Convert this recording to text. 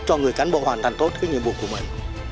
cho người cán bộ hoàn thành tốt cái nhiệm vụ của mình